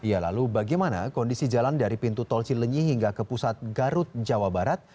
ya lalu bagaimana kondisi jalan dari pintu tol cilenyi hingga ke pusat garut jawa barat